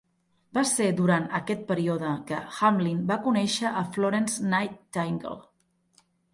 Va ser durant aquest període que Hamlin va conèixer a Florence Nightingale.